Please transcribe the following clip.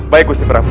baik gusti prabu